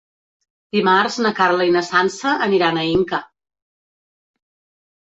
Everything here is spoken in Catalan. Dimarts na Carla i na Sança aniran a Inca.